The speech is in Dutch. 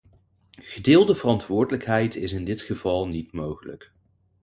Gedeelde verantwoordelijkheid is in dit geval niet mogelijk.